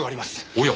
おや。